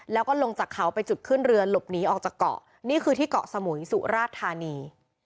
แล้วก็ลงจากเขาไปจุดขึ้นเรือหลบหนีออกจากเกาะนี่คือที่เกาะสมุยสุราชธานี